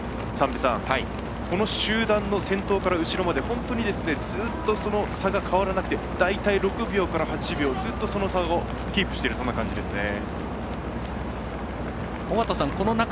この集団の先頭から後ろまでずっとその差が変わらなくて、大体６秒から８秒ずっと、その差をキープしているそんな感じですね。